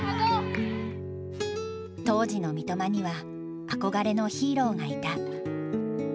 当時の三笘には憧れのヒーローがいた。